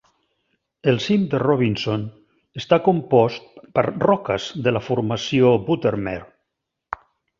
El cim de Robinson està compost per roques de la formació Buttermere.